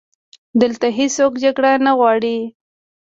دلته هیڅوک جګړه نه غواړي